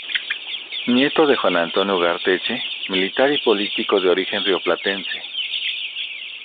Nieto de Juan Antonio Ugarteche, militar y político de origen rioplatense.